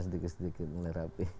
sedikit sedikit mulai rapi